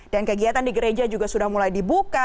dan kegiatan di gereja juga sudah mulai dibuka